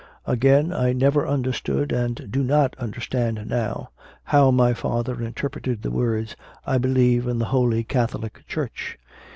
Again, I neVer understood, and do not understand now, how my father interpreted the words "I believe in the Holy Catholic Church."